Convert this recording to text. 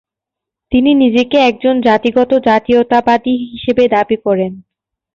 তিনি নিজেকে একজন জাতিগত জাতীয়তাবাদী হিসেবে দাবি করেন।